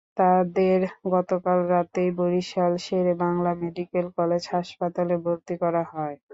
তাঁদের গতকাল রাতেই বরিশাল শেরেবাংলা মেডিকেল কলেজ হাসপাতালে ভর্তি করা হয়।